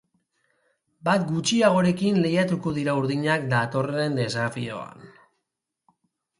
Bat gutxiagorekin lehiatuko dira urdinak datorren desafioan.